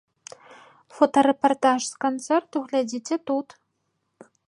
Фотарэпартаж з канцэрту глядзіце тут!